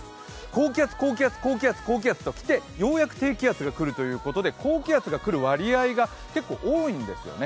高気圧、高気圧、高気圧、高気圧ときてようやく低気圧がくるということで高気圧が来る割合が結構多いんですよね。